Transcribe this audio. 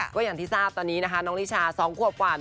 ว่าอย่างที่ทราบตอนนี้นะคะดาลิชา๒ขวดกวน